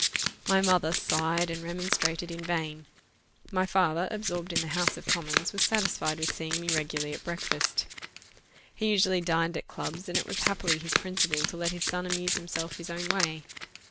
My mother sighed and remonstrated in vain; my father, absorbed in the House of Commons, was satisfied with seeing me regularly at breakfast. He usually dined at clubs, and it was happily his principle to let his son amuse himself his own way.